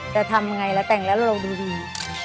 แต่ทำยังไงแล้วแต่งแล้วเราดูดี